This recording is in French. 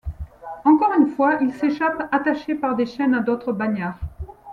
Encore une fois, il s'échappe, attaché par des chaînes à d'autres bagnards.